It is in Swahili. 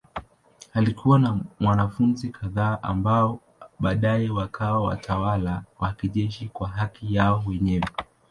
Alikuwa na wanafunzi kadhaa ambao baadaye wakawa watawala wa kijeshi kwa haki yao wenyewe.